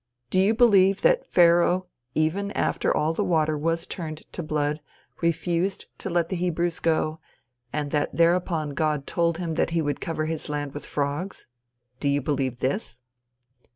Do you believe that Pharaoh even after all the water was turned to blood, refused to let the Hebrews go, and that thereupon God told him he would cover his land with frogs? Do you believe this?